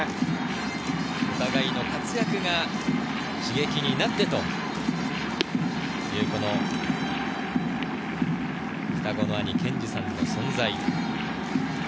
お互いの活躍が刺激になってという双子の兄・建二さんの存在。